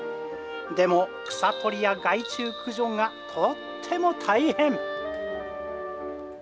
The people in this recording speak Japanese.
でも草取りや害虫駆除がとっても大変。